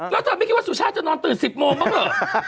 แล้วเธอไม่คิดว่าสุชาติจะนอนตื่น๑๐โมงบ้างเหรอ